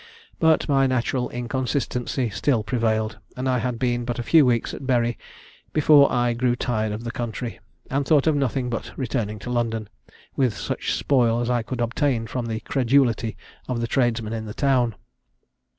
But my natural inconstancy still prevailed; and I had been but a few weeks at Bury, before I grew tired of the country, and thought of nothing but returning to London, with such spoil as I could obtain from the credulity of the tradesmen in the town.